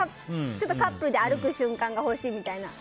カップルで歩く瞬間が欲しいみたいな。